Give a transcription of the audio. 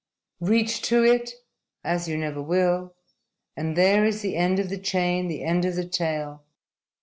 _ _Reach to it as you never will and there is the end of the chain, the end of the tale.